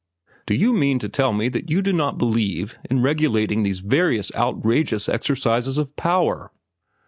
"Do you mean to tell me that you do not believe in regulating these various outrageous exercises of power?"